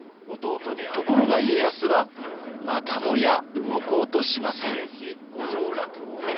ところが家康はまたもや動こうとしません。